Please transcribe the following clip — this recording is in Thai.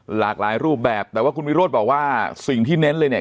หลากหลายรูปแบบแต่ว่าคุณวิโรธบอกว่าสิ่งที่เน้นเลยเนี่ย